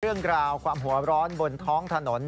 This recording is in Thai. เรื่องราวความหัวร้อนบนท้องถนน